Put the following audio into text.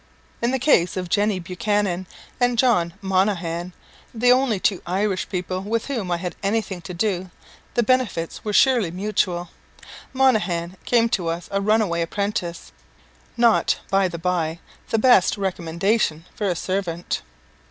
In the case of Jenny Buchannon and John Monaghan, the only two Irish people with whom I had anything to do, the benefits were surely mutual. Monaghan came to us a runaway apprentice, not, by the bye, the best recommendation for a servant.